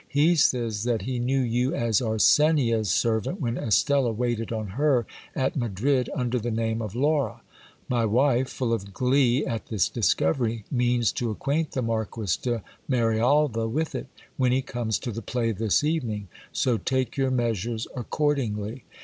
He says that he knew you as Arsenia's servant, when Estella waited on her at Madrid under the name of Laura. My wife, full of glee at this discovery, means to acquaint the Marquis de Marialva with it, when he comes to the play this evening; so take your measures accordingly.